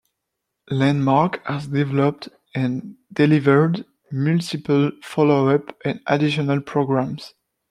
Landmark has developed and delivered multiple follow-up and additional programs.